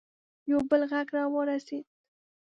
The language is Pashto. یو بل غږ راورسېد.